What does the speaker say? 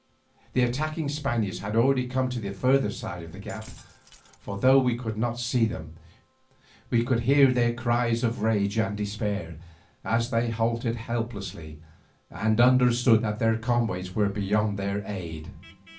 The attacking Spaniards had already come to the further side of the gap, for though we could not see them, we could hear their cries of rage and despair as they halted helplessly and understood that their comrades were beyond their aid.